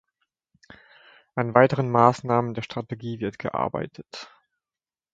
An weiteren Maßnahmen der Strategie wird gearbeitet.